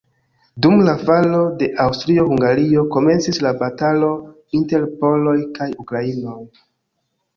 Dum la falo de Aŭstrio-Hungario komencis la batalo inter poloj kaj ukrainoj.